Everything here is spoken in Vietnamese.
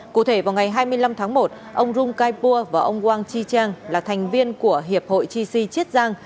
cụ thể vào ngày hai mươi năm tháng một ông rung kaipua và ông wang chi chang là thành viên của hiệp hội chi si chiết giang